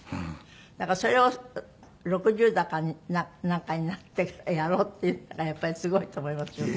だからそれを６０だかなんかになってからやろうっていうのがやっぱりすごいと思いますよね。